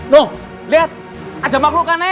no liat ada makhlukannya